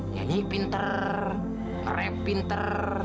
nyanyi pinter ngerap pinter